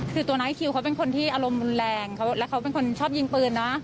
คือตัวน้อยคิวเขาเป็นคนที่อารมณ์รุนแรงแล้วเขาเป็นคนชอบยิงปืนเนอะ